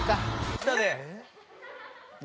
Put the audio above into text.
・きたね